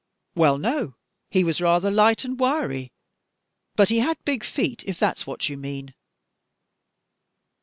"Well, no, he was rather light and wiry, but he had big feet, if that's what you mean."